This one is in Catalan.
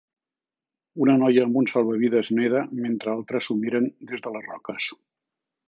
Una noia amb un salvavides neda mentre altres s'ho miren des de les roques